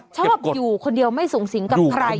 ชอบอยู่คนเดียวไม่สูงสิงกับใคร